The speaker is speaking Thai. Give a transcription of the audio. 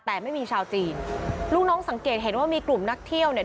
แต่ไม่มีชาวจีนลูกน้องสังเกตเห็นว่ามีกลุ่มนักเที่ยวเนี่ย